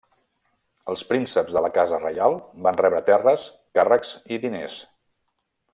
Els prínceps de la casa reial van rebre terres, càrrecs i diners.